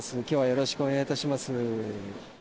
きょうはよろしくお願いいたします。